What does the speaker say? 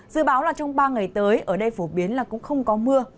dự báo là trong ba ngày tới ở đây phổ biến là cũng không có mưa